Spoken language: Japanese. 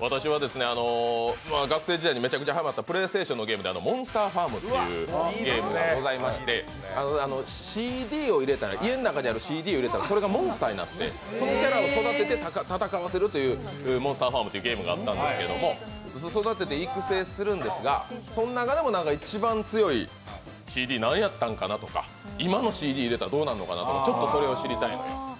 私は学生時代にめちゃめちゃハマったＰｌａｙＳｔａｔｉｏｎのゲームで「モンスターファーム」っていうゲームがございまして家の中にあるＣＤを入れたらそれがモンスターになって、そのキャラを育てて戦わせるという「モンスターファーム」というゲームがあったんですが育てて、育成するんですが、その中でも一番強いＣＤ何やったのかなと、今のＣＤ入れたらどうなるのかなとか、ちょっとそれを知りたいのよ。